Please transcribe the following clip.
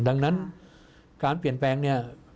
ดังนั้นการเปลี่ยนแปลงเนี่ย